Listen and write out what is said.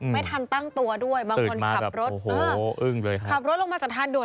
ไม่ทันตั้งตัวด้วยบางคนขับรถขับรถลงมาจะทันด่วย